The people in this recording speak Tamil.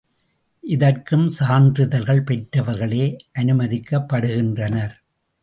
இதற்கும் சான்றிதழ்கள் பெற்றவர்களே அனுமதிக்கப்படுகின்றனர்.